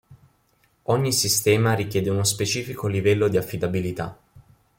Ogni sistema richiede uno specifico livello di affidabilità.